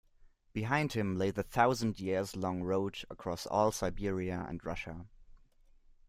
Behind him lay the thousand-years-long road across all Siberia and Russia.